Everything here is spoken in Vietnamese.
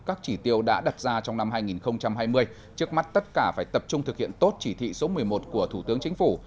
các chỉ tiêu đã đặt ra trong năm hai nghìn hai mươi trước mắt tất cả phải tập trung thực hiện tốt chỉ thị số một mươi một của thủ tướng chính phủ